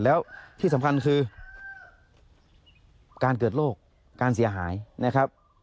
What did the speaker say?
แล้วที่สำคัญคือการเกิดโรคการเสียหายนะครับ